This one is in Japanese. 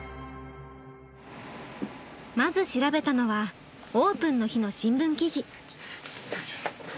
まず調べたのはオープンの日の新聞記事。